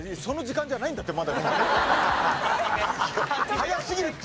早すぎるって。